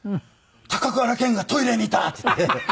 「高倉健がトイレにいた！」って言って。